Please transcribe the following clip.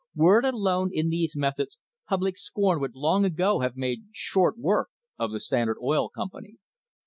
Were it alone in these methods, public scorn would long ago have made short work of the Standard Oil Company.